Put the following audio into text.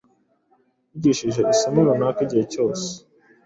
yigishije isomo runaka igihe cyose